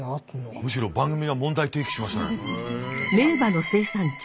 むしろ番組が問題提起しましたね。